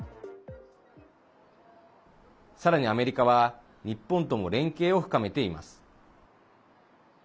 さらに、アメリカは日本とも連携を深めています。